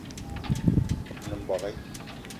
Me nem mbogue